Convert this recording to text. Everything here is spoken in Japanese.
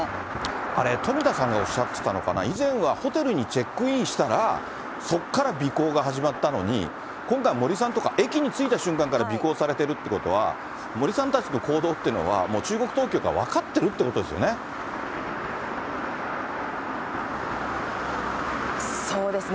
あれ、とみたさんがおっしゃってたのかな、以前はホテルにチェックインしたら、そっから尾行が始まったのに、今回、森さんとか駅に着いた瞬間から尾行されてるっていうことは、森さんたちの行動ってのは、もう中国当局は分かってるということですよね。